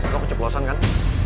lu keceplosan kan